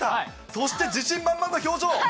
そして自信満々の表情。